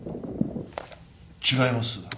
違います。